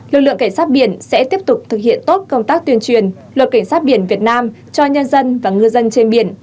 lực lượng cảnh sát biển sẽ tiếp tục thực hiện tốt công tác tuyên truyền luật cảnh sát biển việt nam cho nhân dân và ngư dân trên biển